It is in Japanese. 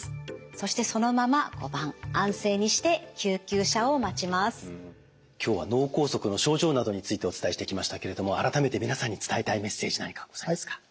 そしてそのまま今日は脳梗塞の症状などについてお伝えしてきましたけれども改めて皆さんに伝えたいメッセージ何かございますか？